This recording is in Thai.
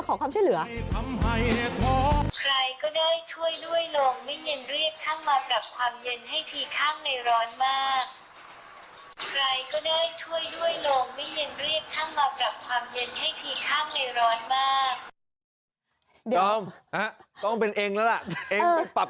โอ้ยยังไง